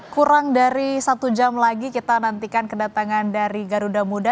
kurang dari satu jam lagi kita nantikan kedatangan dari garuda muda